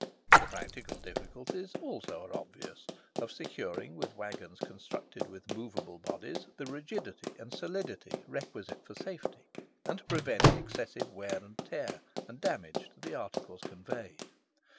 The practical difficulties also are obvious, of securing with waggons constructed with moveable bodies, the rigidity and solidity requisite for safety, and to prevent excessive wear and tear, and damage to the articles conveyed.